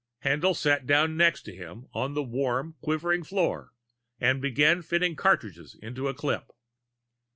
Haendl sat down next to him on the warm, quivering floor and began fitting cartridges into a clip.